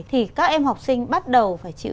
thì các em học sinh bắt đầu phải chịu